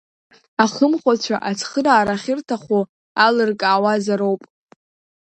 Ахымхәацәа ацхыраара ахьырҭаху алыркаауазароуп.